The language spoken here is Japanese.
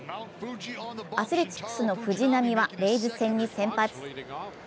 アスレチックスの藤浪はレイズ戦に先発。